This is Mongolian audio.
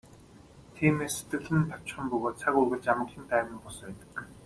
Тиймээс сэтгэл нь давчхан бөгөөд цаг үргэлж амгалан тайван бус байдаг.